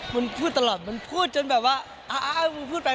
มันพูดตลอดมันพูดจนแบบว่าอ้าวมึงพูดไป